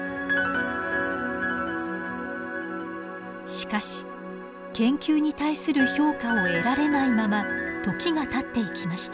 しかし研究に対する評価を得られないまま時がたっていきました。